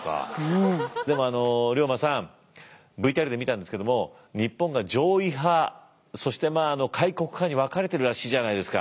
でもあの龍馬さんＶＴＲで見たんですけども日本が攘夷派そして開国派に分かれてるらしいじゃないですか？